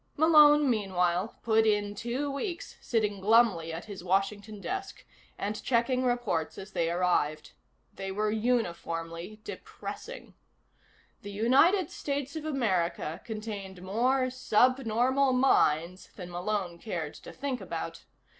Malone, meanwhile, put in two weeks sitting glumly at his Washington desk and checking reports as they arrived. They were uniformly depressing. The United States of America contained more sub normal minds than Malone cared to think about.